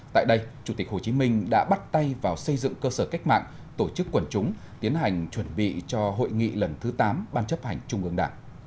tại đây chủ tịch hồ chí minh đã bắt tay vào xây dựng cơ sở cách mạng tổ chức quần chúng tiến hành chuẩn bị cho hội nghị lần thứ tám ban chấp hành trung ương đảng